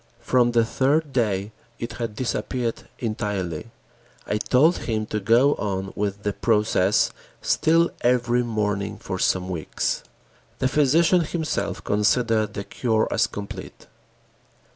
From the third day it had disappeared entirely. I told him to go on with the process still every morning for some weeks. The physician himself considered the cure as complete.